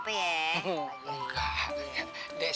bang jali aja